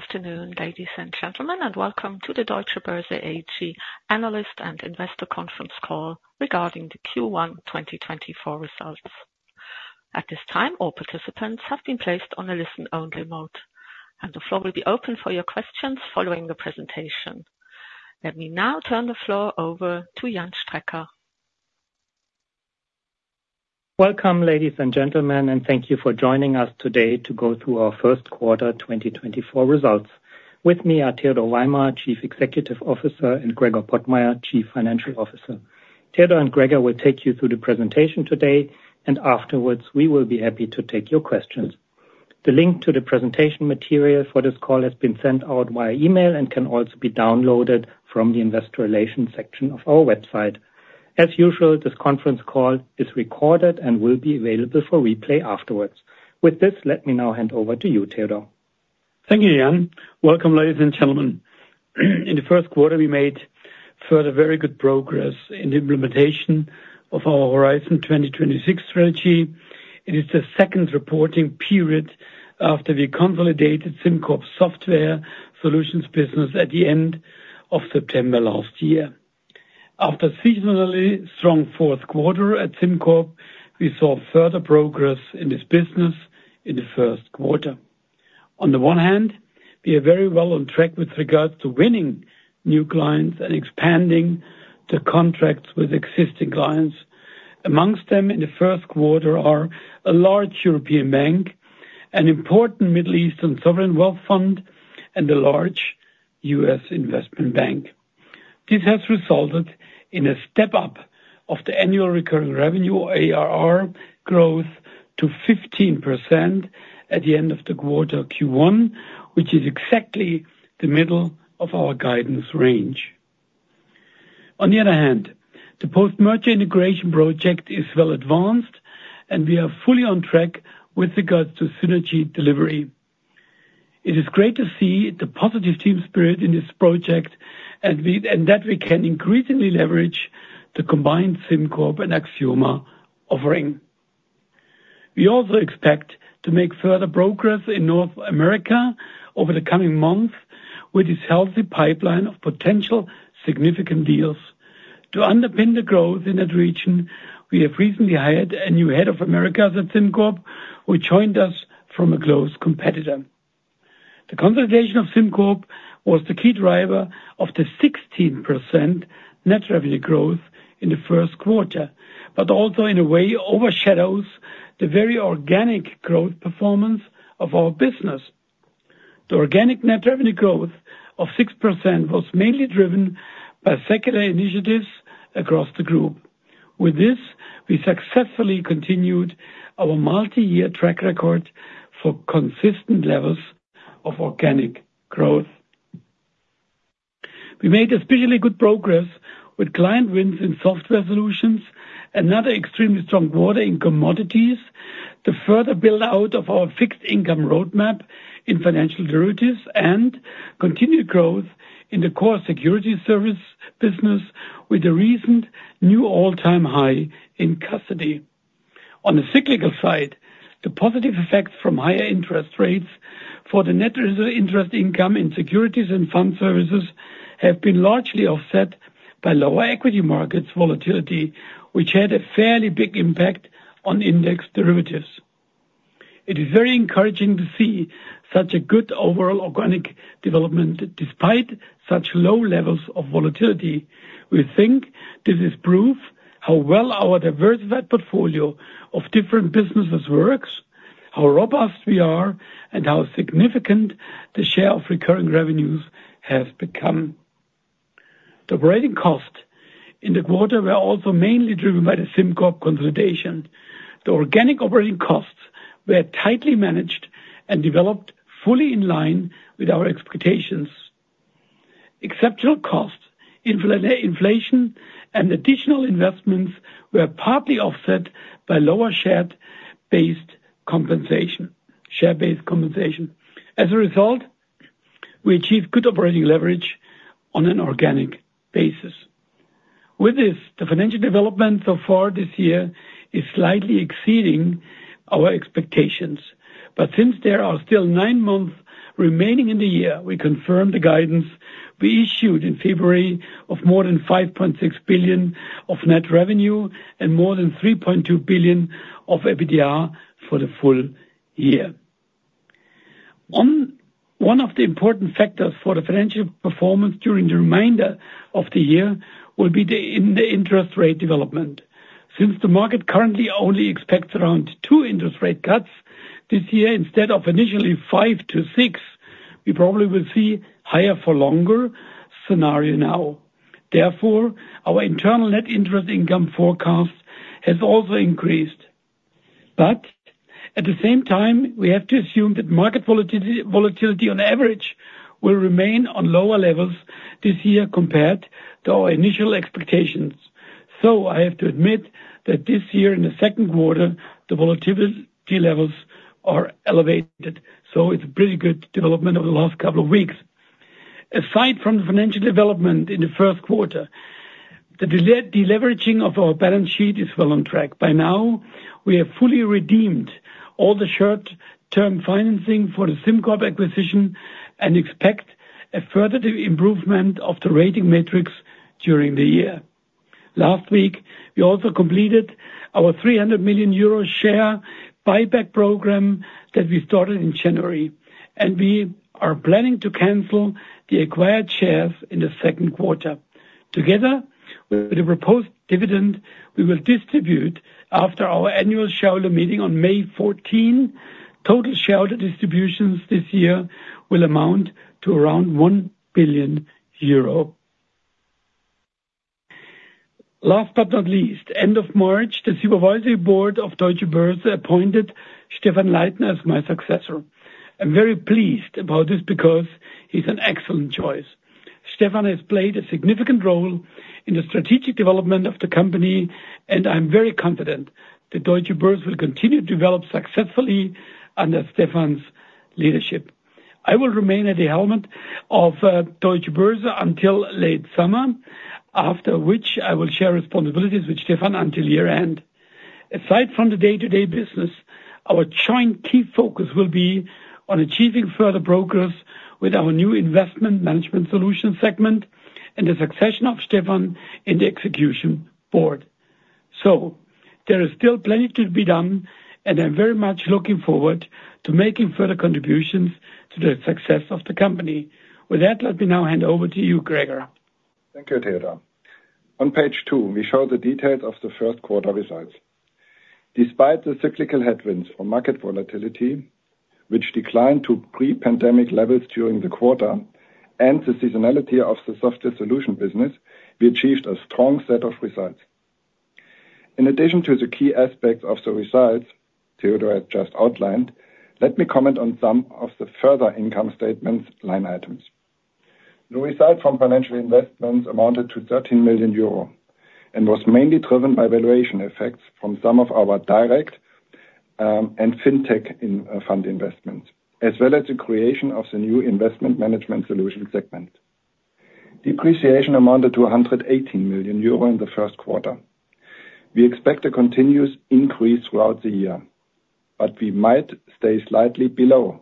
Good afternoon, ladies and gentlemen, and welcome to the Deutsche Börse AG analyst and investor conference call regarding the Q1 2024 results. At this time, all participants have been placed on a listen-only mode, and the floor will be open for your questions following the presentation. Let me now turn the floor over to Jan Strecker. Welcome, ladies and gentlemen, and thank you for joining us today to go through our first quarter 2024 results. With me are Theodor Weimer, Chief Executive Officer, and Gregor Pottmeyer, Chief Financial Officer. Theodor and Gregor will take you through the presentation today, and afterwards we will be happy to take your questions. The link to the presentation material for this call has been sent out via email and can also be downloaded from the Investor Relations section of our website. As usual, this conference call is recorded and will be available for replay afterwards. With this, let me now hand over to you, Theodor. Thank you, Jan. Welcome, ladies and gentlemen. In the first quarter, we made further very good progress in the implementation of our Horizon 2026 strategy. It is the second reporting period after we consolidated SimCorp software solutions business at the end of September last year. After a seasonally strong fourth quarter at SimCorp, we saw further progress in this business in the first quarter. On the one hand, we are very well on track with regards to winning new clients and expanding the contracts with existing clients. Amongst them in the first quarter are a large European bank, an important Middle Eastern sovereign wealth fund, and a large U.S. investment bank. This has resulted in a step up of the annual recurring revenue, or ARR, growth to 15% at the end of the quarter Q1, which is exactly the middle of our guidance range. On the other hand, the post-merger integration project is well advanced, and we are fully on track with regards to synergy delivery. It is great to see the positive team spirit in this project and that we can increasingly leverage the combined SimCorp and Axioma offering. We also expect to make further progress in North America over the coming months with this healthy pipeline of potential significant deals. To underpin the growth in that region, we have recently hired a new head of America at SimCorp, who joined us from a close competitor. The consolidation of SimCorp was the key driver of the 16% net revenue growth in the first quarter, but also in a way overshadows the very organic growth performance of our business. The organic net revenue growth of 6% was mainly driven by secular initiatives across the group. With this, we successfully continued our multi-year track record for consistent levels of organic growth. We made especially good progress with client wins in software solutions, another extremely strong quarter in commodities, the further build-out of our fixed income roadmap in financial derivatives, and continued growth in the core securities service business with a recent new all-time high in custody. On the cyclical side, the positive effects from higher interest rates for the net interest income in Securities and Fund Services have been largely offset by lower equity markets volatility, which had a fairly big impact on index derivatives. It is very encouraging to see such a good overall organic development despite such low levels of volatility. We think this is proof how well our diversified portfolio of different businesses works, how robust we are, and how significant the share of recurring revenues has become. The operating costs in the quarter were also mainly driven by the SimCorp consolidation. The organic operating costs were tightly managed and developed fully in line with our expectations. Exceptional costs, inflation, and additional investments were partly offset by lower share-based compensation. As a result, we achieved good operating leverage on an organic basis. With this, the financial development so far this year is slightly exceeding our expectations, but since there are still nine months remaining in the year, we confirm the guidance we issued in February of more than 5.6 billion of net revenue and more than 3.2 billion of EBITDA for the full year. One of the important factors for the financial performance during the remainder of the year will be the interest rate development. Since the market currently only expects around two interest rate cuts this year, instead of initially five to six, we probably will see a higher-for-longer scenario now. Therefore, our internal net interest income forecast has also increased. But at the same time, we have to assume that market volatility on average will remain on lower levels this year compared to our initial expectations. So I have to admit that this year in the second quarter, the volatility levels are elevated, so it's a pretty good development of the last couple of weeks. Aside from the financial development in the first quarter, the deleveraging of our balance sheet is well on track. By now, we have fully redeemed all the short-term financing for the SimCorp acquisition and expect a further improvement of the rating matrix during the year. Last week, we also completed our 300 million euro share buyback program that we started in January, and we are planning to cancel the acquired shares in the second quarter. Together with the proposed dividend we will distribute after our annual shareholder meeting on May 14th, total shareholder distributions this year will amount to around 1 billion euro. Last but not least, end of March, the supervisory board of Deutsche Börse appointed Stephan Leithner as my successor. I'm very pleased about this because he's an excellent choice. Stephan has played a significant role in the strategic development of the company, and I'm very confident that Deutsche Börse will continue to develop successfully under Stephan's leadership. I will remain at the helm of Deutsche Börse until late summer, after which I will share responsibilities with Stephan until year-end. Aside from the day-to-day business, our joint key focus will be on achieving further progress with our new Investment Management Solutions segment and the succession of Stephan in the Executive Board. So there is still plenty to be done, and I'm very much looking forward to making further contributions to the success of the company. With that, let me now hand over to you, Gregor. Thank you, Theodor. On page two, we show the details of the first quarter results. Despite the cyclical headwinds for market volatility, which declined to pre-pandemic levels during the quarter and the seasonality of the software solution business, we achieved a strong set of results. In addition to the key aspects of the results Theodor had just outlined, let me comment on some of the further income statements line items. The result from financial investments amounted to 13 million euro and was mainly driven by valuation effects from some of our direct and fintech fund investments, as well as the creation of the new Investment Management Solutions segment. Depreciation amounted to 118 million euro in the first quarter. We expect a continuous increase throughout the year, but we might stay slightly below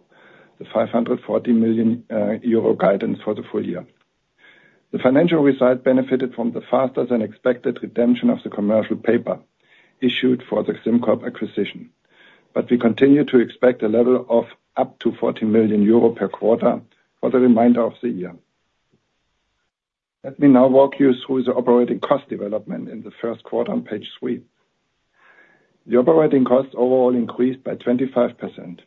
the 540 million euro guidance for the full year. The financial result benefited from the faster-than-expected redemption of the commercial paper issued for the SimCorp acquisition, but we continue to expect a level of up to 40 million euro per quarter for the remainder of the year. Let me now walk you through the operating cost development in the first quarter on page three. The operating costs overall increased by 25%,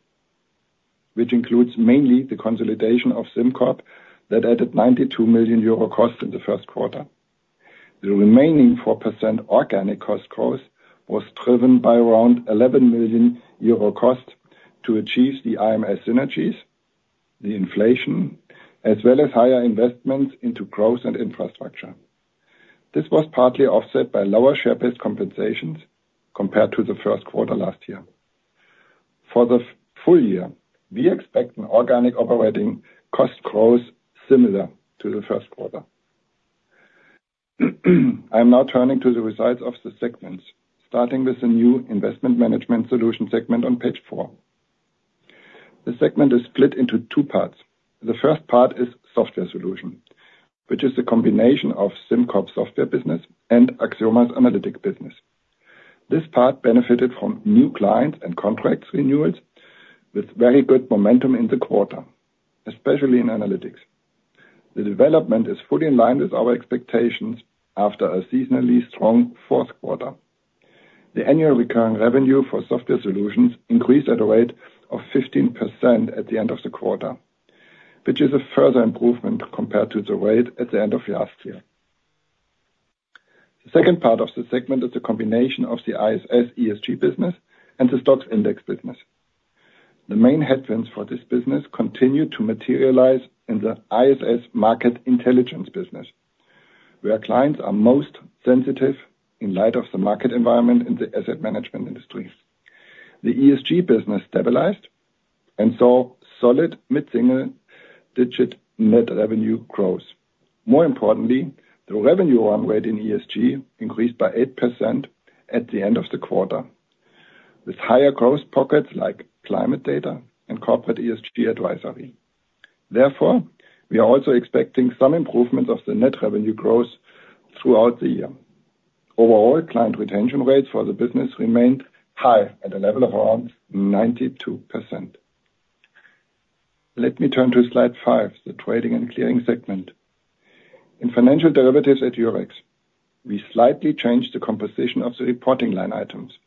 which includes mainly the consolidation of SimCorp that added 92 million euro cost in the first quarter. The remaining 4% organic cost growth was driven by around 11 million euro cost to achieve the IMS synergies, the inflation, as well as higher investments into growth and infrastructure. This was partly offset by lower share-based compensations compared to the first quarter last year. For the full year, we expect an organic operating cost growth similar to the first quarter. I am now turning to the results of the segments, starting with the new Investment Management Solutions segment on page four. The segment is split into two parts. The first part is software solutions, which is a combination of SimCorp software business and Axioma's analytics business. This part benefited from new clients and contract renewals with very good momentum in the quarter, especially in analytics. The development is fully in line with our expectations after a seasonally strong fourth quarter. The annual recurring revenue for software solutions increased at a rate of 15% at the end of the quarter, which is a further improvement compared to the rate at the end of last year. The second part of the segment is a combination of the ISS ESG business and the STOXX index business. The main headwinds for this business continue to materialize in the ISS Market Intelligence business, where clients are most sensitive in light of the market environment in the asset management industry. The ESG business stabilized and saw solid mid-single-digit net revenue growth. More importantly, the revenue run rate in ESG increased by 8% at the end of the quarter with higher gross pockets like climate data and corporate ESG advisory. Therefore, we are also expecting some improvements of the net revenue growth throughout the year. Overall, client retention rates for the business remained high at a level of around 92%. Let me turn to slide five, the Trading and Clearing segment. In financial derivatives at Eurex, we slightly changed the composition of the reporting line items.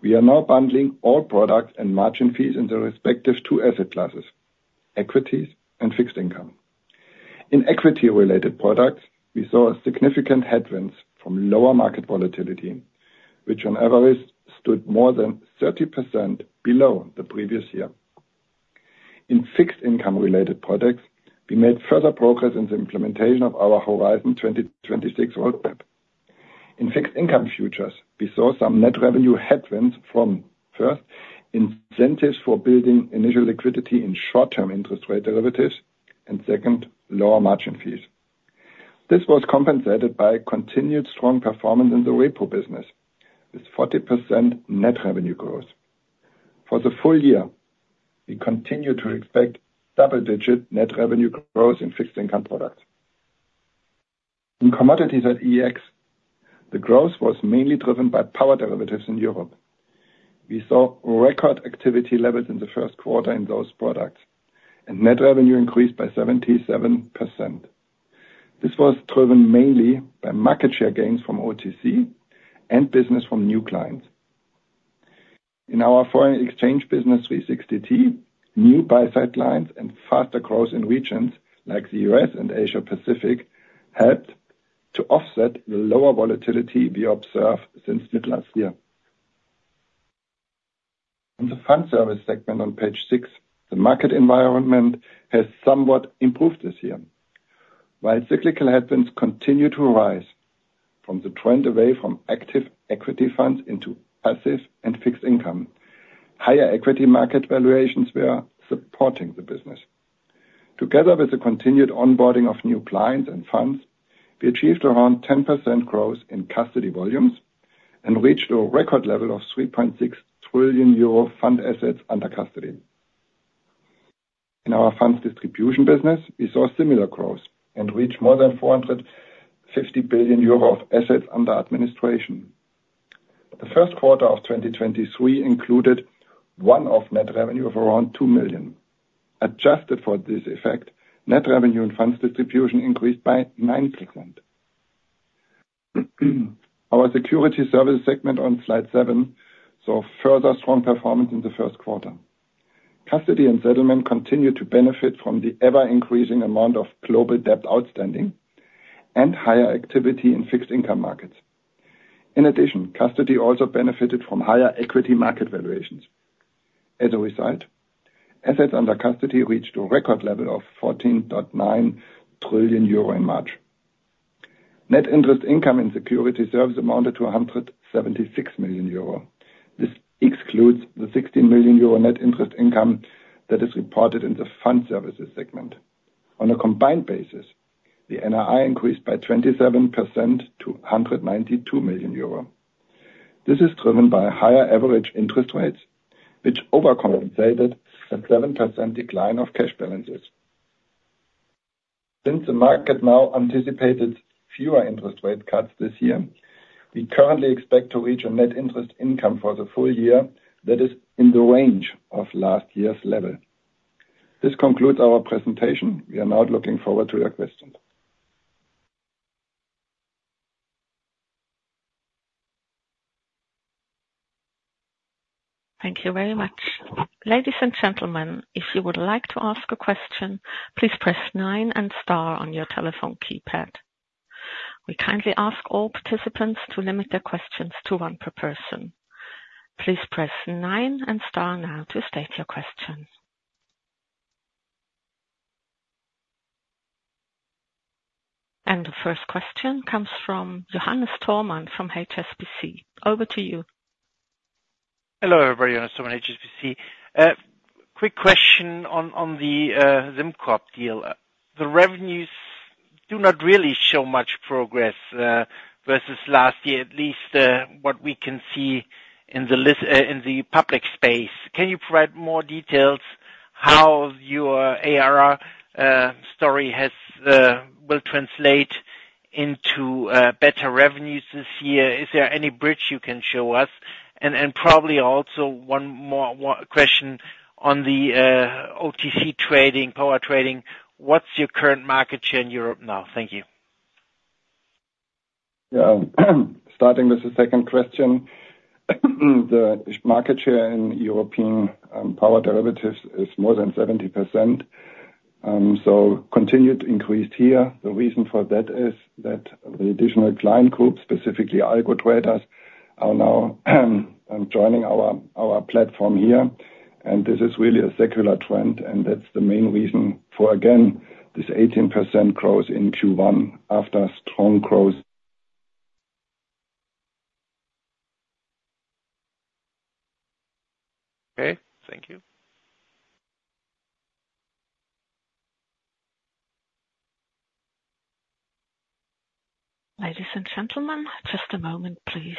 We are now bundling all products and margin fees in the respective two asset classes: equities and fixed income. In equity-related products, we saw a significant headwinds from lower market volatility, which on average stood more than 30% below the previous year. In fixed income-related products, we made further progress in the implementation of our Horizon 2026 roadmap. In fixed income futures, we saw some net revenue headwinds from, first, incentives for building initial liquidity in short-term interest rate derivatives, and second, lower margin fees. This was compensated by continued strong performance in the repo business with 40% net revenue growth. For the full year, we continue to expect double-digit net revenue growth in fixed income products. In commodities at Eurex, the growth was mainly driven by power derivatives in Europe. We saw record activity levels in the first quarter in those products, and net revenue increased by 77%. This was driven mainly by market share gains from OTC and business from new clients. In our foreign exchange business 360T, new buy-side lines and faster growth in regions like the U.S. and Asia-Pacific helped to offset the lower volatility we observed since mid-last year. In the Fund Service segment on page six, the market environment has somewhat improved this year. While cyclical headwinds continue to rise from the trend away from active equity funds into passive and fixed income, higher equity market valuations were supporting the business. Together with the continued onboarding of new clients and funds, we achieved around 10% growth in custody volumes and reached a record level of 3.6 trillion euro fund assets under custody. In our funds distribution business, we saw similar growth and reached more than 450 billion euro of assets under administration. The first quarter of 2023 included one-off net revenue of around 2 million. Adjusted for this effect, net revenue in funds distribution increased by 9%. Our Security Service segment on slide seven saw further strong performance in the first quarter. Custody and settlement continued to benefit from the ever-increasing amount of global debt outstanding and higher activity in fixed income markets. In addition, custody also benefited from higher equity market valuations. As a result, assets under custody reached a record level of 14.9 trillion euro in March. Net interest income in Security Service amounted to 176 million euro. This excludes the 16 million euro net interest income that is reported in the Fund Services segment. On a combined basis, the NII increased by 27% to 192 million euro. This is driven by higher average interest rates, which overcompensated a 7% decline of cash balances. Since the market now anticipated fewer interest rate cuts this year, we currently expect to reach a net interest income for the full year that is in the range of last year's level. This concludes our presentation. We are now looking forward to your questions. Thank you very much. Ladies and gentlemen, if you would like to ask a question, please press nine and star on your telephone keypad. We kindly ask all participants to limit their questions to one per person. Please press nine and star now to state your question. The first question comes from Johannes Thormann from HSBC. Over to you. Hello, everybody. Johannes Thormann, HSBC. Quick question on the SimCorp deal. The revenues do not really show much progress versus last year, at least what we can see in the public space. Can you provide more details how your ARR story will translate into better revenues this year? Is there any bridge you can show us? And probably also one more question on the OTC trading, power trading. What's your current market share in Europe now? Thank you. Starting with the second question, the market share in European power derivatives is more than 70%, so continued increase here. The reason for that is that the additional client groups, specifically algo traders, are now joining our platform here. This is really a secular trend, and that's the main reason for, again, this 18% growth in Q1 after strong growth. Okay. Thank you. Ladies and gentlemen, just a moment, please.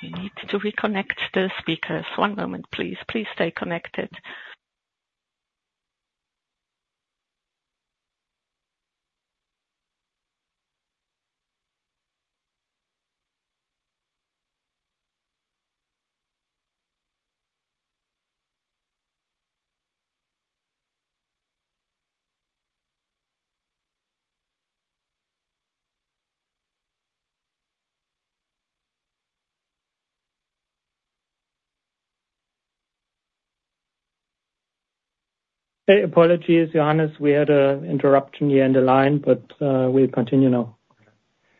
We need to reconnect the speakers. One moment, please. Please stay connected. Hey, apologies, Johannes. We had an interruption here in the line, but we'll continue now.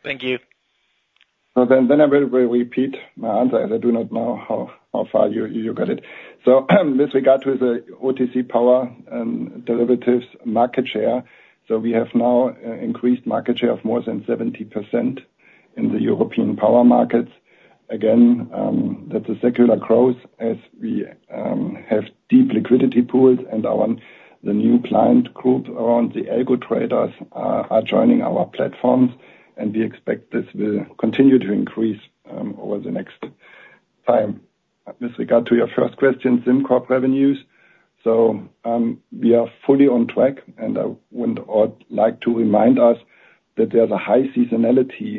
Thank you. Then I will repeat my answer as I do not know how far you got it. So with regard to the OTC power derivatives market share, so we have now increased market share of more than 70% in the European power markets. Again, that's a secular growth as we have deep liquidity pools and the new client group around the Algo traders are joining our platforms, and we expect this will continue to increase over the next time. With regard to your first question, SimCorp revenues, so we are fully on track, and I would like to remind us that there's a high seasonality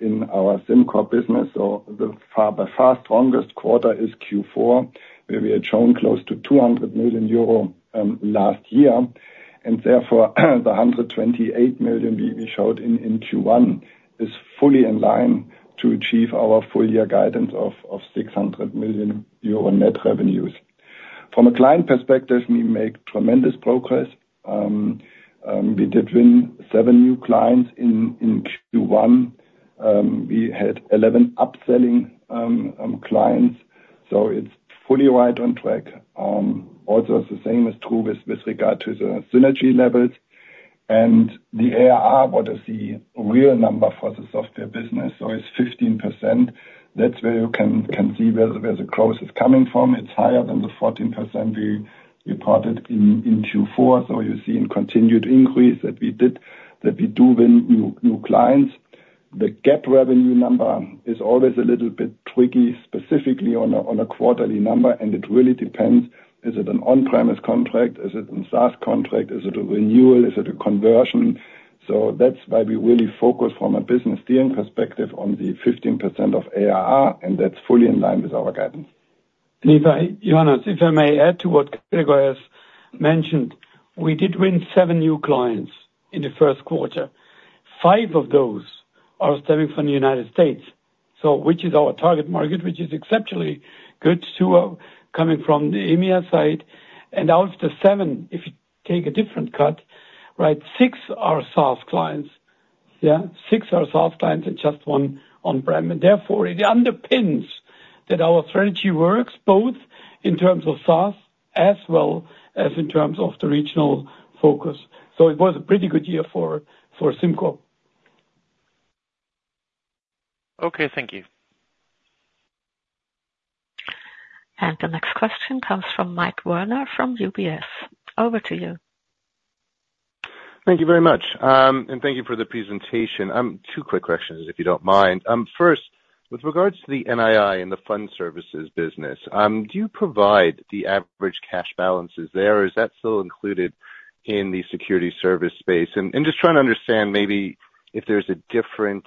in our SimCorp business. So the far strongest quarter is Q4, where we had shown close to 200 million euro last year. And therefore, the 128 million we showed in Q1 is fully in line to achieve our full-year guidance of 600 million euro net revenues. From a client perspective, we make tremendous progress. We did win seven new clients in Q1. We had 11 upselling clients, so it's fully right on track. Also, the same is true with regard to the synergy levels. And the ARR, what is the real number for the software business? So it's 15%. That's where you can see where the growth is coming from. It's higher than the 14% we reported in Q4. So you see a continued increase that we did, that we do win new clients. The gap revenue number is always a little bit tricky, specifically on a quarterly number, and it really depends. Is it an on-premise contract? Is it a SaaS contract? Is it a renewal? Is it a conversion? So that's why we really focus from a business dealing perspective on the 15% of ARR, and that's fully in line with our guidance. Johannes, if I may add to what Gregor has mentioned, we did win seven new clients in the first quarter. Five of those are stemming from the United States, which is our target market, which is exceptionally good too, coming from the EMEA side. Out of the seven, if you take a different cut, six are SaaS clients, six are SaaS clients, and just one on-prem. Therefore, it underpins that our strategy works both in terms of SaaS as well as in terms of the regional focus. It was a pretty good year for SimCorp. Okay. Thank you. The next question comes from Mike Werner from UBS. Over to you. Thank you very much, and thank you for the presentation. Two quick questions, if you don't mind. First, with regards to the NII and the Fund Services business, do you provide the average cash balances there, or is that still included in the securities services space? And just trying to understand maybe if there's a different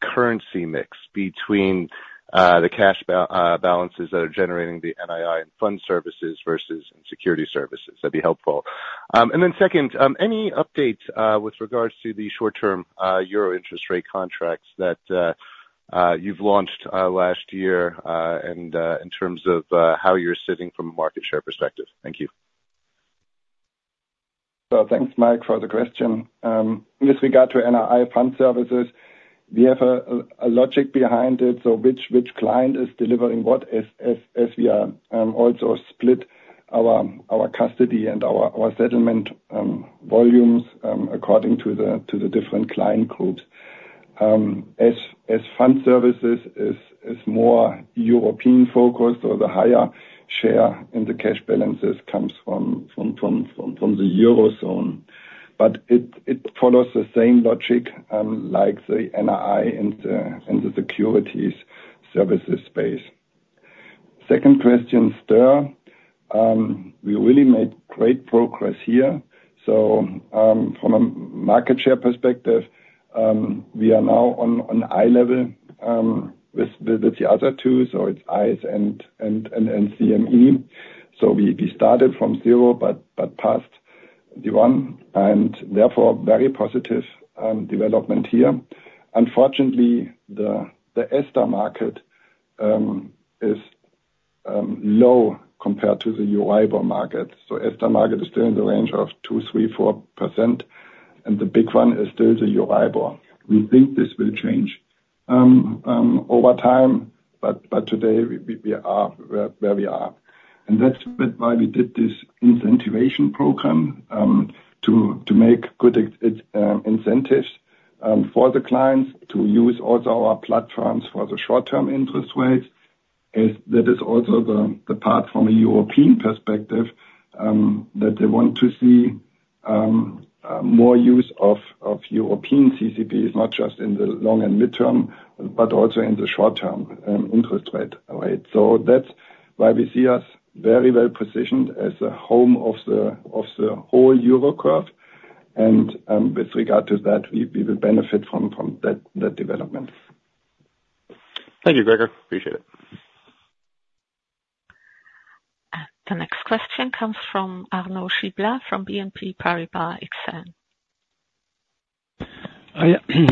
currency mix between the cash balances that are generating the NII and Fund Services versus Securities Services. That'd be helpful. And then second, any updates with regards to the short-term euro interest rate contracts that you've launched last year and in terms of how you're sitting from a market share perspective? Thank you. So thanks, Mike, for the question. With regard to NII Fund Services, we have a logic behind it. So which client is delivering what as we are also split our custody and our settlement volumes according to the different client groups. As Fund Services is more European-focused, so the higher share in the cash balances comes from the euro zone. But it follows the same logic like the NII in the securities services space. Second question, STIR. We really made great progress here. So from a market share perspective, we are now on eye level with the other two. So it's ICE and CME. So we started from zero but passed the one, and therefore, very positive development here. Unfortunately, the ESTR market is low compared to the Euribor market. ESTR market is still in the range of 2%-4%, and the big one is still the Euribor. We think this will change over time, but today, we are where we are. And that's why we did this incentivization program to make good incentives for the clients to use also our platforms for the short-term interest rates. That is also the part from a European perspective that they want to see more use of European CCPs, not just in the long and mid-term, but also in the short-term interest rate. So that's why we see us very well positioned as the home of the whole euro curve. And with regard to that, we will benefit from that development. Thank you, Gregor. Appreciate it. The next question comes from Arnaud Giblat from BNP Paribas Exane.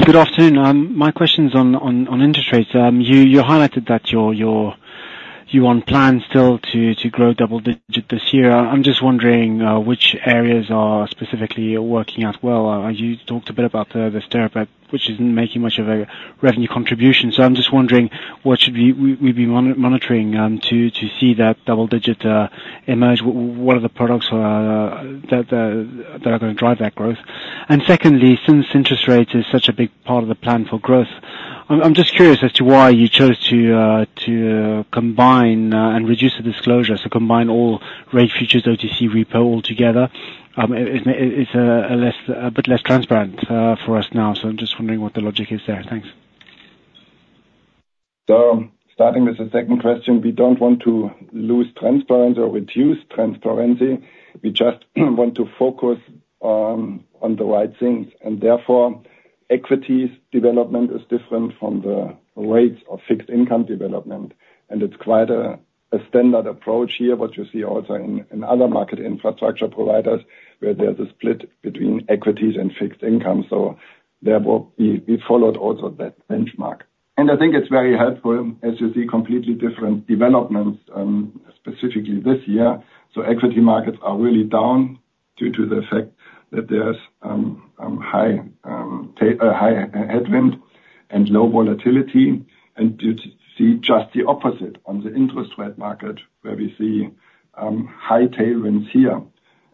Good afternoon. My question is on interest rates. You highlighted that you want plans still to grow double-digit this year. I'm just wondering which areas are specifically working out well. You talked a bit about the STIR, which isn't making much of a revenue contribution. So I'm just wondering what should we be monitoring to see that double-digit emerge? What are the products that are going to drive that growth? And secondly, since interest rates is such a big part of the plan for growth, I'm just curious as to why you chose to combine and reduce the disclosure, so combine all rate futures, OTC repo altogether. It's a bit less transparent for us now. So I'm just wondering what the logic is there. Thanks. So starting with the second question, we don't want to lose transparency or reduce transparency. We just want to focus on the right things. And therefore, equities development is different from the rates of fixed income development. And it's quite a standard approach here, what you see also in other market infrastructure providers where there's a split between equities and fixed income. So therefore, we followed also that benchmark. And I think it's very helpful as you see completely different developments, specifically this year. So equity markets are really down due to the fact that there's high headwind and low volatility. And you see just the opposite on the interest rate market where we see high tailwinds here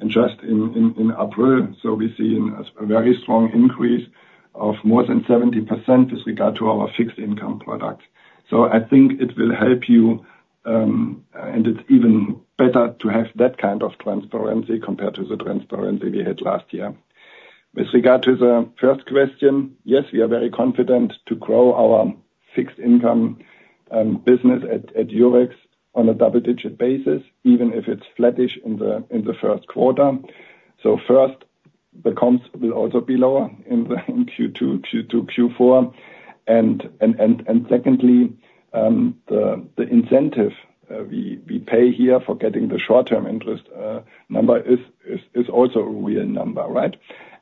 and just in April. So we see a very strong increase of more than 70% with regard to our fixed income products. I think it will help you, and it's even better to have that kind of transparency compared to the transparency we had last year. With regard to the first question, yes, we are very confident to grow our fixed income business at Eurex on a double-digit basis, even if it's flattish in the first quarter. First, the comps will also be lower in Q2, Q2, Q4. And secondly, the incentive we pay here for getting the short-term interest number is also a real number, right?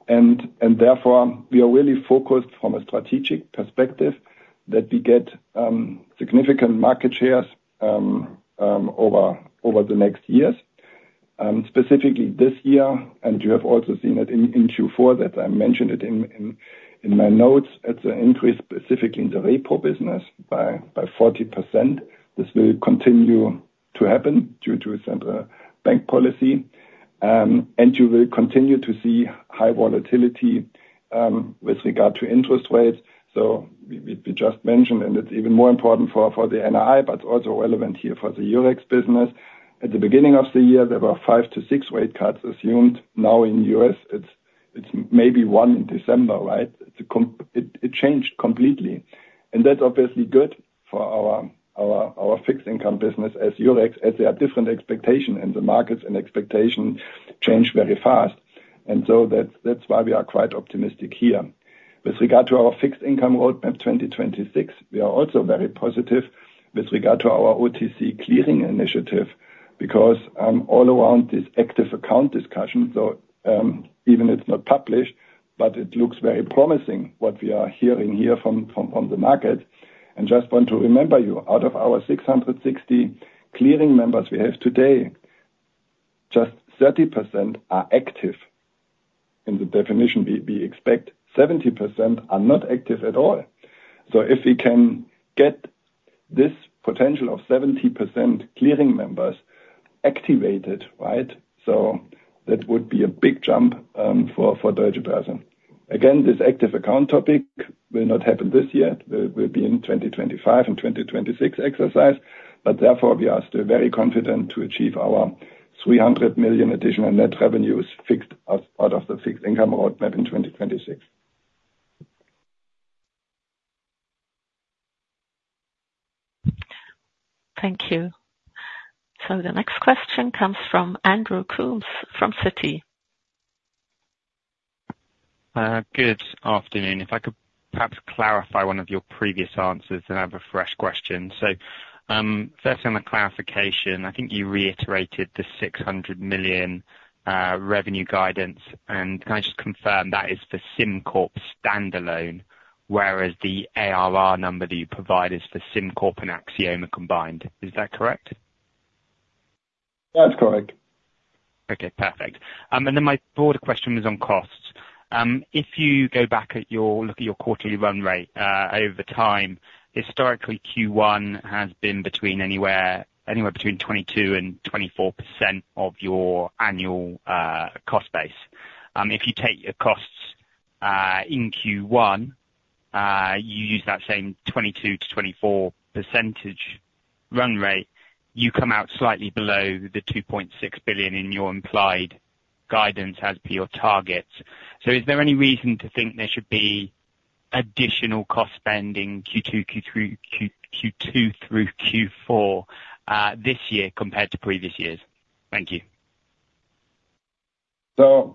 And therefore, we are really focused from a strategic perspective that we get significant market shares over the next years, specifically this year. And you have also seen it in Q4 that I mentioned it in my notes. It's an increase, specifically in the repo business, by 40%. This will continue to happen due to central bank policy. You will continue to see high volatility with regard to interest rates. We just mentioned, and it's even more important for the NII, but it's also relevant here for the Eurex business. At the beginning of the year, there were five to six rate cuts assumed. Now in the U.S., it's maybe one in December, right? It changed completely. That's obviously good for our fixed income business as Eurex, as there are different expectations in the markets and expectations change very fast. That's why we are quite optimistic here. With regard to our fixed income roadmap 2026, we are also very positive with regard to our OTC clearing initiative because all around this active account discussion, so even it's not published, but it looks very promising what we are hearing here from the markets. Just want to remember you, out of our 660 clearing members we have today, just 30% are active in the definition. We expect 70% are not active at all. So if we can get this potential of 70% clearing members activated, right, so that would be a big jump for Deutsche Börse. Again, this active account topic will not happen this year. It will be in the 2025 and 2026 exercise. But therefore, we are still very confident to achieve our 300 million additional net revenues fixed out of the fixed income roadmap in 2026. Thank you. So the next question comes from Andrew Coombs from Citi. Good afternoon. If I could perhaps clarify one of your previous answers and have a fresh question. So first on the clarification, I think you reiterated the 600 million revenue guidance. And can I just confirm that is for SimCorp standalone, whereas the ARR number that you provide is for SimCorp and Axioma combined? Is that correct? That's correct. Okay. Perfect. And then my broader question was on costs. If you go back and look at your quarterly run rate over time, historically, Q1 has been anywhere between 22%-24% of your annual cost base. If you take your costs in Q1, you use that same 22%-24% run rate. You come out slightly below the 2.6 billion in your implied guidance as per your targets. So is there any reason to think there should be additional cost spending Q2 through Q4 this year compared to previous years? Thank you.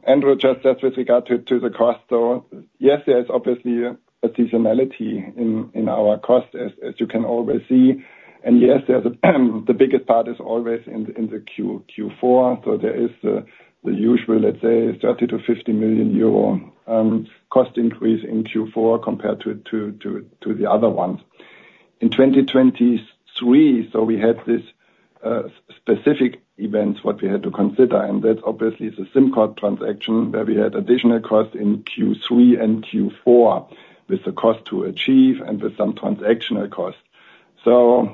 Andrew, just with regard to the cost, so yes, there is obviously a seasonality in our cost, as you can always see. Yes, the biggest part is always in the Q4. So there is the usual, let's say, 30 million-50 million euro cost increase in Q4 compared to the other ones. In 2023, so we had this specific events, what we had to consider. And that's obviously the SimCorp transaction where we had additional costs in Q3 and Q4 with the cost to achieve and with some transactional costs. So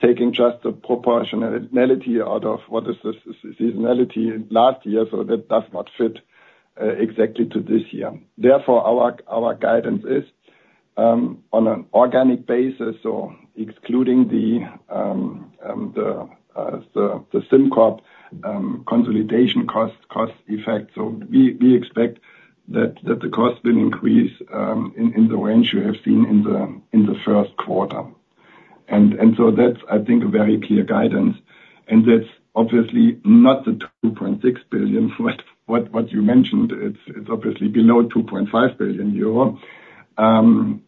taking just the proportionality out of what is the seasonality last year, so that does not fit exactly to this year. Therefore, our guidance is on an organic basis, so excluding the SimCorp consolidation cost effect. So we expect that the cost will increase in the range you have seen in the first quarter. And so that's, I think, a very clear guidance. And that's obviously not the 2.6 billion what you mentioned. It's obviously below 2.5 billion euro. And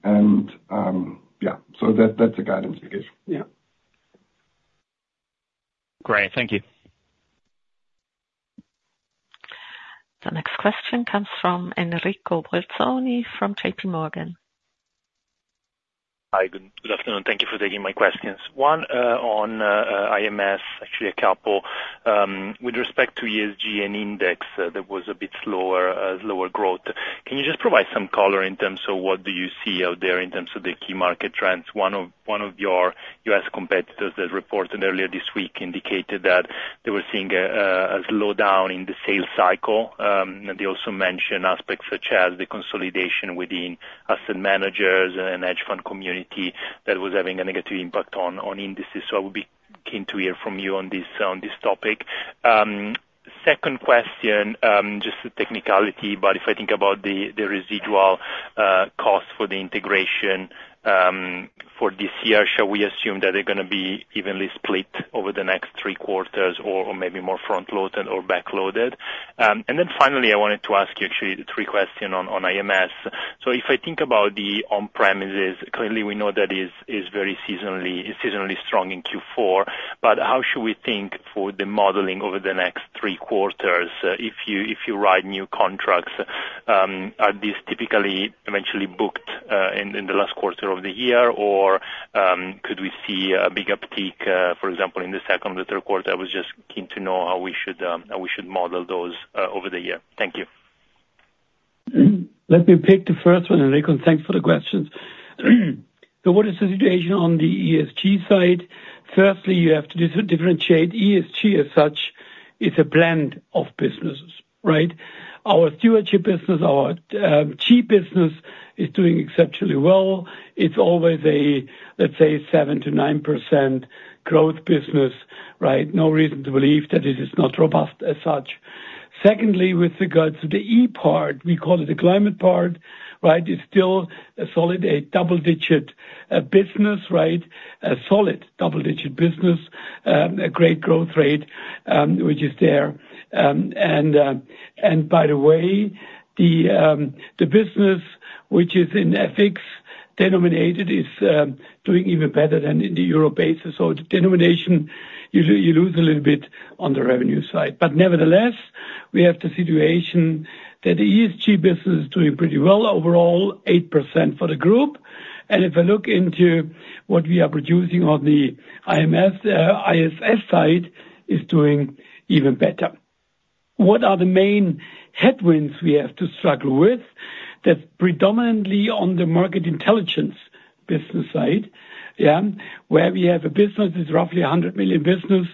yeah, so that's the guidance we give. Yeah. Great. Thank you. The next question comes from Enrico Bolzoni from JPMorgan. Hi. Good afternoon. Thank you for taking my questions. One on IMS, actually a couple. With respect to ESG and index, there was a bit slower growth. Can you just provide some color in terms of what do you see out there in terms of the key market trends? One of your U.S. competitors that reported earlier this week indicated that they were seeing a slowdown in the sales cycle. And they also mentioned aspects such as the consolidation within asset managers and hedge fund community that was having a negative impact on indices. So I would be keen to hear from you on this topic. Second question, just a technicality, but if I think about the residual cost for the integration for this year, shall we assume that they're going to be evenly split over the next three quarters or maybe more front-loaded or back-loaded? And then finally, I wanted to ask you actually three questions on IMS. So if I think about the on-premises, clearly, we know that it's very seasonally strong in Q4. But how should we think for the modeling over the next three quarters if you write new contracts? Are these typically eventually booked in the last quarter of the year, or could we see a big uptick, for example, in the second or the third quarter? I was just keen to know how we should model those over the year. Thank you. Let me pick the first one, Enrico. Thanks for the questions. So what is the situation on the ESG side? Firstly, you have to differentiate. ESG as such is a blend of businesses, right? Our stewardship business, our CHI business is doing exceptionally well. It's always a, let's say, 7%-9% growth business, right? No reason to believe that it is not robust as such. Secondly, with regard to the E part, we call it the climate part, right? It's still a double-digit business, right? A solid double-digit business, a great growth rate, which is there. And by the way, the business which is in FX denominated is doing even better than in the euro basis. So denomination, you lose a little bit on the revenue side. But nevertheless, we have the situation that the ESG business is doing pretty well overall, 8% for the group. And if I look into what we are producing on the ISS side, it's doing even better. What are the main headwinds we have to struggle with? That's predominantly on the Market Intelligence business side, yeah, where we have a business that's roughly 100 million business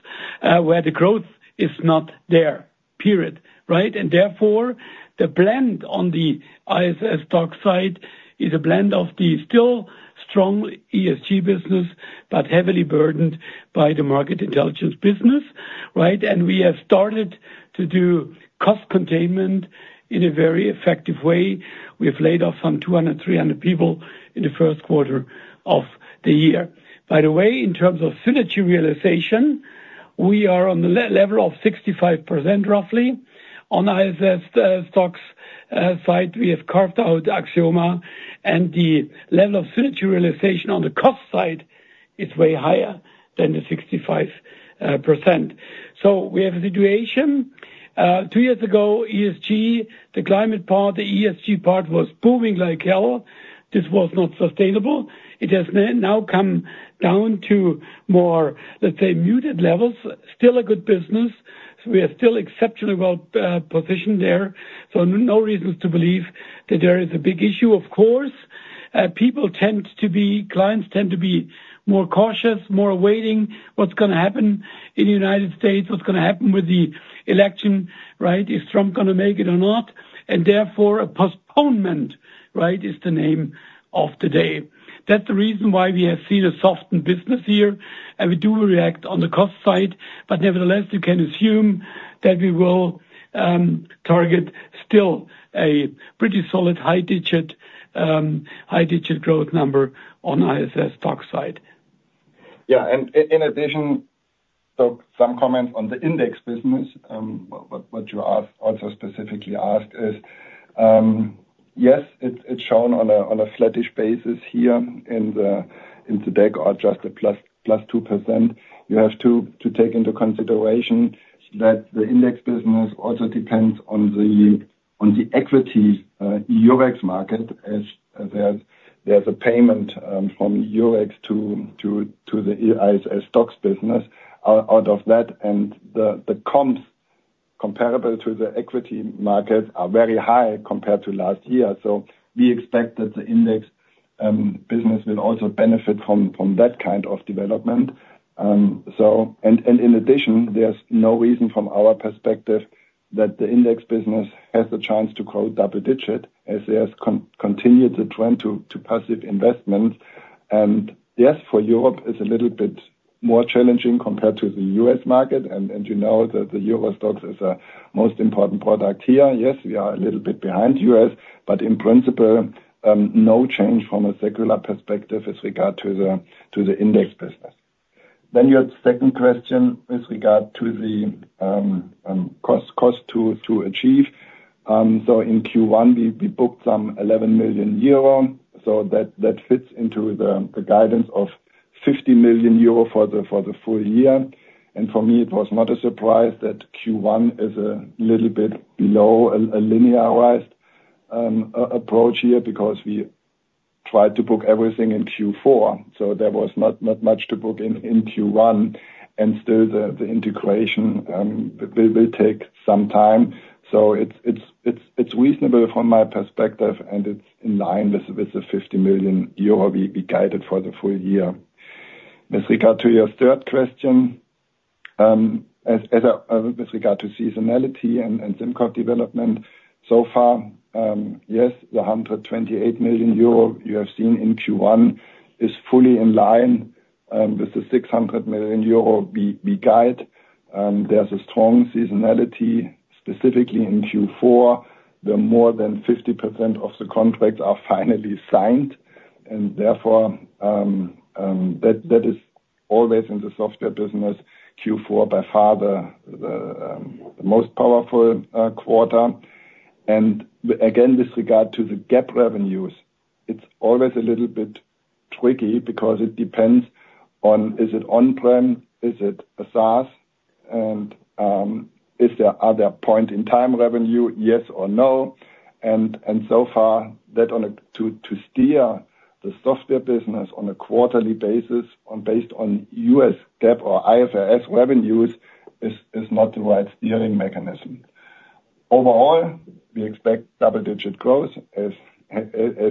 where the growth is not there, period, right? And therefore, the blend on the ISS STOXX side is a blend of the still strong ESG business but heavily burdened by the Market Intelligence business, right? And we have started to do cost containment in a very effective way. We have laid off some 200-300 people in the first quarter of the year. By the way, in terms of synergy realization, we are on the level of 65% roughly. On ISS STOXX side, we have carved out Axioma. And the level of synergy realization on the cost side is way higher than the 65%. So we have a situation. Two years ago, ESG, the climate part, the ESG part was booming like hell. This was not sustainable. It has now come down to more, let's say, muted levels. Still a good business. We are still exceptionally well positioned there. So no reasons to believe that there is a big issue. Of course, people tend to be clients tend to be more cautious, more awaiting what's going to happen in the United States, what's going to happen with the election, right? Is Trump going to make it or not? And therefore, a postponement, right, is the name of the day. That's the reason why we have seen a softened business here. And we do react on the cost side. But nevertheless, you can assume that we will target still a pretty solid high-digit growth number on ISS STOXX side. Yeah. And in addition, so some comments on the index business, what you also specifically asked is, yes, it's shown on a flattish basis here in the deck or just a +2%. You have to take into consideration that the index business also depends on the equity Eurex market as there's a payment from Eurex to the ISS STOXX business out of that. And the comps comparable to the equity markets are very high compared to last year. So we expect that the index business will also benefit from that kind of development. And in addition, there's no reason from our perspective that the index business has the chance to grow double-digit as there's continued the trend to passive investments. And yes, for Europe, it's a little bit more challenging compared to the U.S. market. And as you know, the Euro STOXX is the most important product here. Yes, we are a little bit behind the U.S., but in principle, no change from a secular perspective with regard to the index business. Then your second question with regard to the cost to achieve. So in Q1, we booked some 11 million euro. So that fits into the guidance of 50 million euro for the full year. And for me, it was not a surprise that Q1 is a little bit below a linearized approach here because we tried to book everything in Q4. So there was not much to book in Q1. And still, the integration will take some time. So it's reasonable from my perspective, and it's in line with the 50 million euro we guided for the full year. With regard to your third question, with regard to seasonality and SimCorp development so far, yes, the 128 million euro you have seen in Q1 is fully in line with the 600 million euro we guide. There's a strong seasonality specifically in Q4. The more than 50% of the contracts are finally signed. And therefore, that is always in the software business, Q4 by far the most powerful quarter. And again, with regard to the GAAP revenues, it's always a little bit tricky because it depends on is it on-prem? Is it a SaaS? And is there other point-in-time revenue, yes or no? And so far, that to steer the software business on a quarterly basis based on U.S. GAAP or IFRS revenues is not the right steering mechanism. Overall, we expect double-digit growth as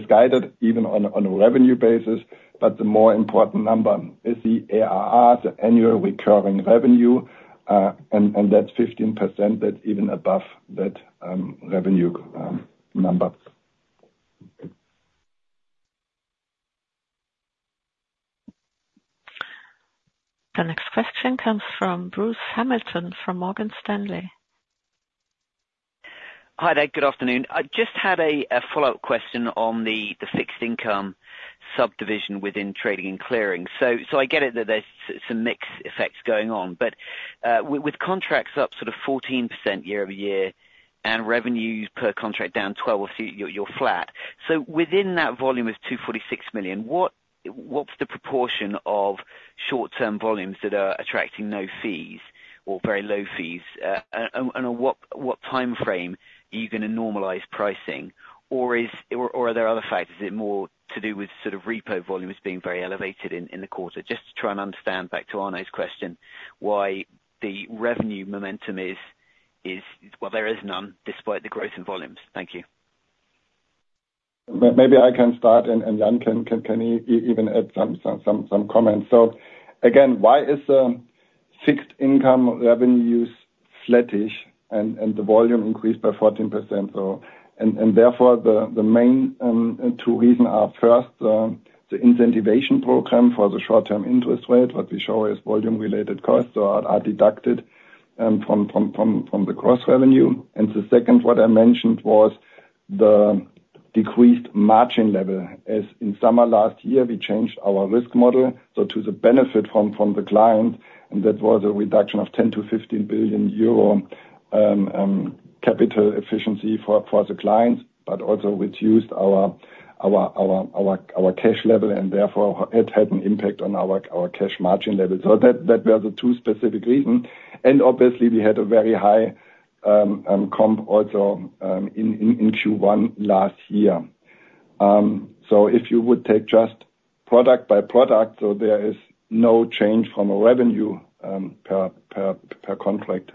guided even on a revenue basis. The more important number is the ARR, the annual recurring revenue. That's 15%, that's even above that revenue number. The next question comes from Bruce Hamilton from Morgan Stanley. Hi. Good afternoon. I just had a follow-up question on the fixed income subdivision within trading and clearing. So I get it that there's some mixed effects going on. But with contracts up sort of 14% year-over-year and revenues per contract down 12%, you're flat. So within that volume of 246 million, what's the proportion of short-term volumes that are attracting no fees or very low fees? And on what timeframe are you going to normalize pricing? Or are there other factors? Is it more to do with sort of repo volumes being very elevated in the quarter? Just to try and understand back to Arno's question, why the revenue momentum is well, there is none despite the growth in volumes. Thank you. Maybe I can start, and Jan, can he even add some comments? So again, why is the fixed income revenues flattish and the volume increased by 14%? And therefore, the main two reasons are, first, the incentivation program for the short-term interest rate, what we show is volume-related costs that are deducted from the gross revenue. And the second, what I mentioned was the decreased margin level. In summer last year, we changed our risk model so to the benefit from the client. And that was a reduction of 10 billion-15 billion euro capital efficiency for the clients, but also reduced our cash level. And therefore, it had an impact on our cash margin level. So that were the two specific reasons. And obviously, we had a very high comp also in Q1 last year. So if you would take just product by product, so there is no change from a revenue per contract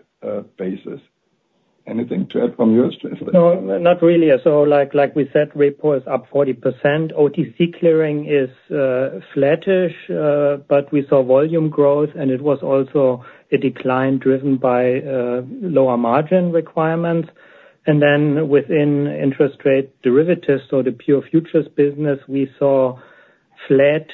basis. Anything to add from yours, Jan? No, not really. So like we said, repo is up 40%. OTC clearing is flattish, but we saw volume growth, and it was also a decline driven by lower margin requirements. And then within interest rate derivatives or the pure futures business, we saw flat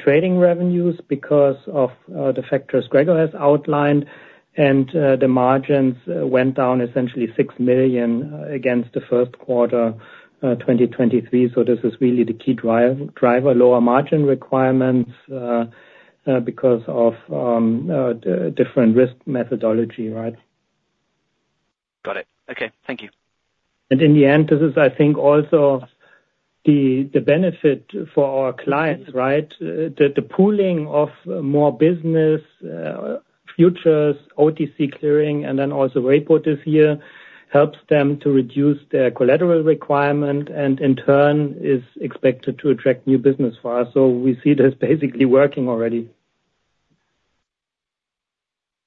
trading revenues because of the factors Gregor has outlined. And the margins went down essentially 6 million against the first quarter 2023. So this is really the key driver, lower margin requirements because of different risk methodology, right? Got it. Okay. Thank you. In the end, this is, I think, also the benefit for our clients, right? The pooling of more business, futures, OTC clearing, and then also repo this year helps them to reduce their collateral requirement and in turn is expected to attract new business for us. We see it as basically working already.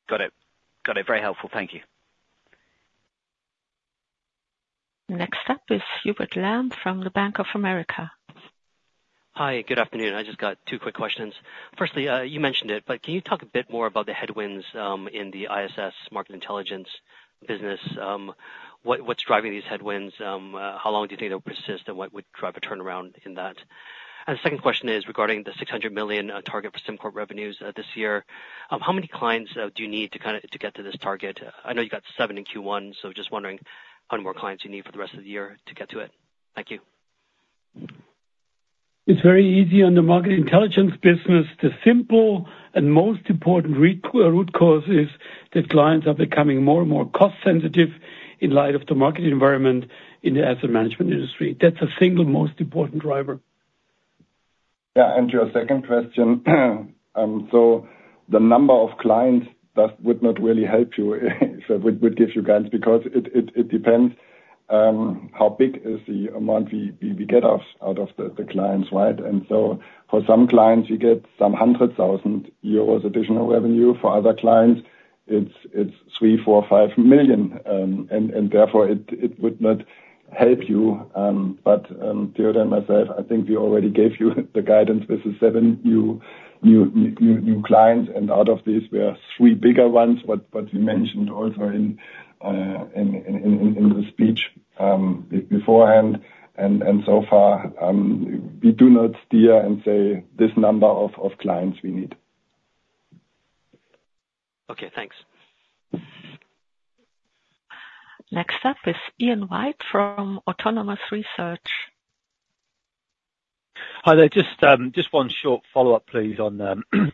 Got it. Got it. Very helpful. Thank you. Next up is Hubert Lam from the Bank of America. Hi. Good afternoon. I just got two quick questions. Firstly, you mentioned it, but can you talk a bit more about the headwinds in the ISS Market Intelligence business? What's driving these headwinds? How long do you think they'll persist, and what would drive a turnaround in that? And the second question is regarding the 600 million target for SimCorp revenues this year. How many clients do you need to kind of get to this target? I know you got seven in Q1, so just wondering how many more clients you need for the rest of the year to get to it. Thank you. It's very easy on the Market Intelligence business. The simple and most important root cause is that clients are becoming more and more cost-sensitive in light of the market environment in the asset management industry. That's a single most important driver. Yeah. And your second question, so the number of clients would not really help you if it would give you guidance because it depends how big is the amount we get out of the clients, right? And so for some clients, we get some 100,000 euros additional revenue. For other clients, it's 3 million, 4 million, 5 million. And therefore, it would not help you. But Theodor and myself, I think we already gave you the guidance. This is seven new clients. And out of these, we are three bigger ones, what you mentioned also in the speech beforehand. And so far, we do not steer and say this number of clients we need. Okay. Thanks. Next up is Ian White from Autonomous Research. Hi. Just one short follow-up, please, on IMS.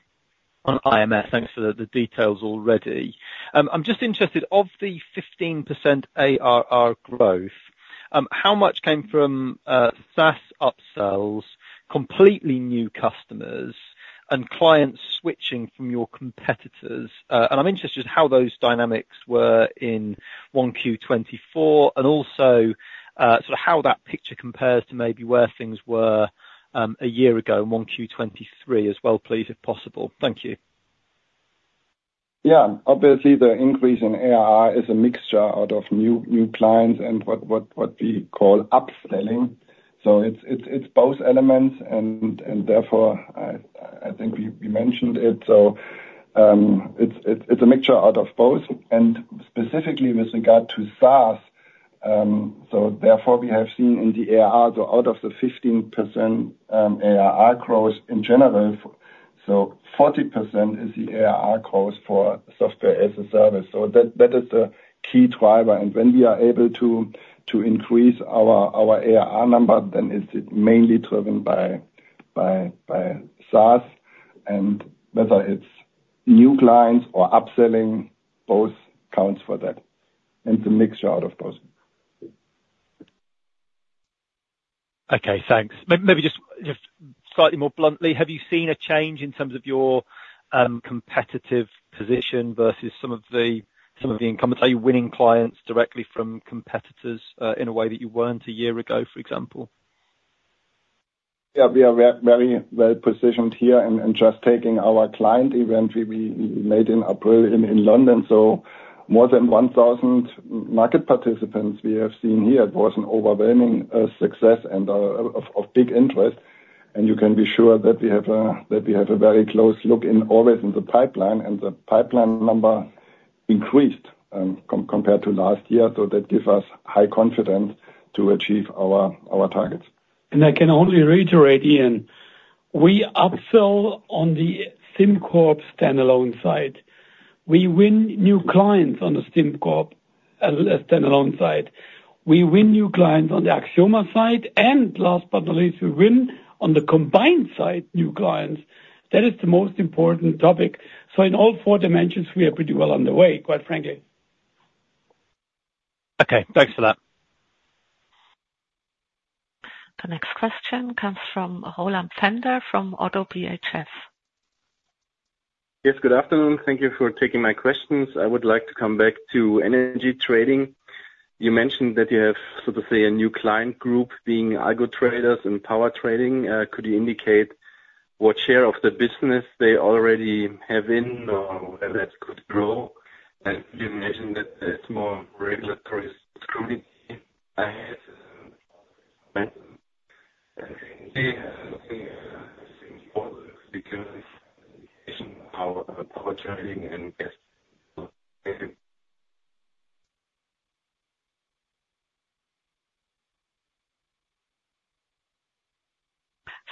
Thanks for the details already. I'm just interested, of the 15% ARR growth, how much came from SaaS upsells, completely new customers, and clients switching from your competitors? And I'm interested in how those dynamics were in 1Q 2024 and also sort of how that picture compares to maybe where things were a year ago in 1Q 2023 as well, please, if possible. Thank you. Yeah. Obviously, the increase in ARR is a mixture out of new clients and what we call upselling. So it's both elements. And therefore, I think we mentioned it. So it's a mixture out of both. And specifically with regard to SaaS, so therefore, we have seen in the ARR, so out of the 15% ARR growth in general, so 40% is the ARR growth for software as a service. So that is the key driver. And when we are able to increase our ARR number, then it's mainly driven by SaaS. And whether it's new clients or upselling, both counts for that. It's a mixture out of both. Okay. Thanks. Maybe just slightly more bluntly, have you seen a change in terms of your competitive position versus some of the income? Are you winning clients directly from competitors in a way that you weren't a year ago, for example? Yeah. We are very well positioned here. And just taking our client event we made in April in London. So more than 1,000 market participants we have seen here. It was an overwhelming success and of big interest. And you can be sure that we have a very close look always in the pipeline. And the pipeline number increased compared to last year. So that gives us high confidence to achieve our targets. I can only reiterate, Ian. We upsell on the SimCorp standalone side. We win new clients on the SimCorp standalone side. We win new clients on the Axioma side. And last but not least, we win on the combined side, new clients. That is the most important topic. In all four dimensions, we are pretty well underway, quite frankly. Okay. Thanks for that. The next question comes from Roland Pfänder from Oddo BHF. Yes. Good afternoon. Thank you for taking my questions. I would like to come back to energy trading. You mentioned that you have, so to say, a new client group being Algo Traders and Power Trading. Could you indicate what share of the business they already have in or that could grow? You mentioned that it's more regulatory scrutiny. I had a question about Power Trading and gas.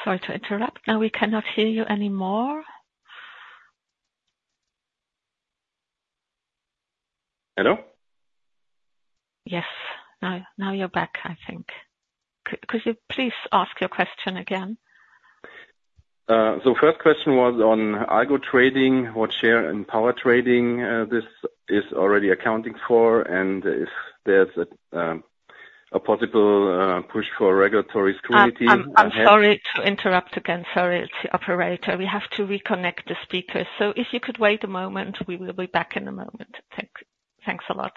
Sorry to interrupt. Now we cannot hear you anymore. Hello? Yes. Now you're back, I think. Could you please ask your question again? First question was on Algo Trading, what share in Power Trading this is already accounting for, and if there's a possible push for regulatory scrutiny. I'm sorry to interrupt again. Sorry. It's the operator. We have to reconnect the speakers. So if you could wait a moment, we will be back in a moment. Thanks a lot.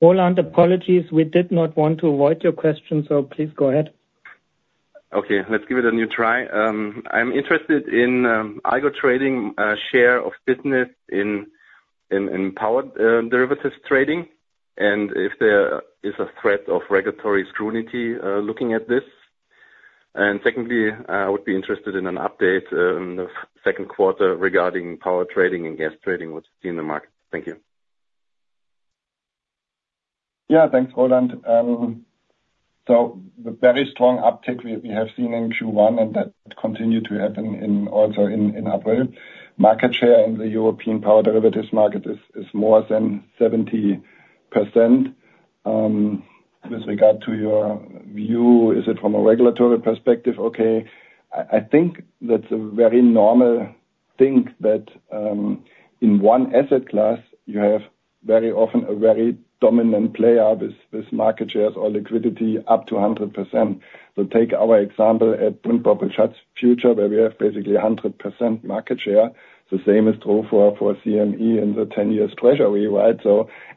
Roland, apologies. We did not want to avoid your question, so please go ahead. Okay. Let's give it a new try. I'm interested in Algo Trading's share of business in power derivatives trading and if there is a threat of regulatory scrutiny looking at this? And secondly, I would be interested in an update in the second quarter regarding power trading and gas trading, what you see in the market? Thank you. Yeah. Thanks, Roland. So the very strong uptick we have seen in Q1, and that continued to happen also in April. Market share in the European power derivatives market is more than 70%. With regard to your view, is it from a regulatory perspective? Okay. I think that's a very normal thing that in one asset class, you have very often a very dominant player with market shares or liquidity up to 100%. So take our example at Bund Bobl Schatz futures, where we have basically 100% market share. The same is true for CME in the 10-year Treasury, right?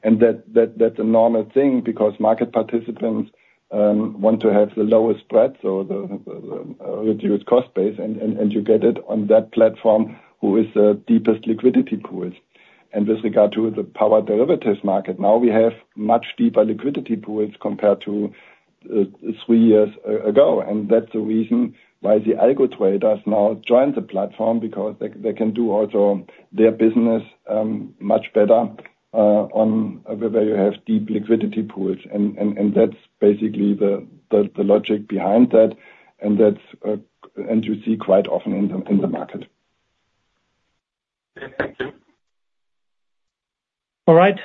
And that's a normal thing because market participants want to have the lowest spread, so the reduced cost base. And you get it on that platform who is the deepest liquidity pools. And with regard to the power derivatives market, now we have much deeper liquidity pools compared to three years ago. And that's the reason why the AlgoTraders now join the platform because they can do also their business much better where you have deep liquidity pools. And that's basically the logic behind that. And you see quite often in the market. All right.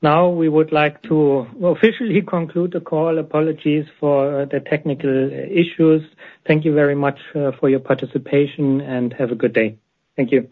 Now we would like to officially conclude the call. Apologies for the technical issues. Thank you very much for your participation, and have a good day. Thank you.